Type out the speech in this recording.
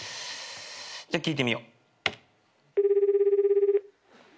じゃ聞いてみよう。